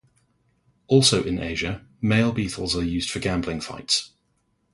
Also in Asia, male beetles are used for gambling fights.